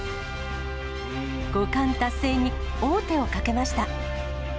五冠達成に王手をかけました。